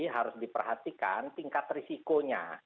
harus diperhatikan tingkat risikonya